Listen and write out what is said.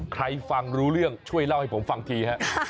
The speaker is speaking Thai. ใครฟังรู้เรื่องช่วยเล่าให้ผมฟังทีฮะ